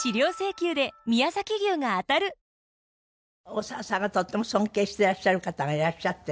大沢さんがとても尊敬してらっしゃる方がいらっしゃって。